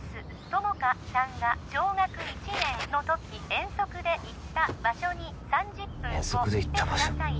友果さんが小学１年の時遠足で行った場所に３０分後来てください